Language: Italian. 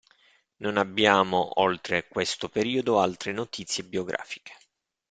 Non abbiamo, oltre questo periodo, altre notizie biografiche.